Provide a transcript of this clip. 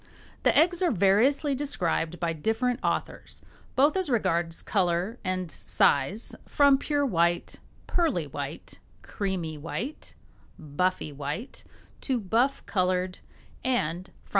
The eggs are variously described by different authors, both as regards color and size, from pure white, pearly white, creamy white, buffy white to buff colored, and from 1.